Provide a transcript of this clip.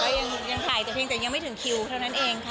ไม่มีค่ะไม่มีค่ะก็ยังยังถ่ายเฉยยังไม่ถึงคิวเท่านั้นเองค่ะ